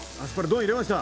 入れました。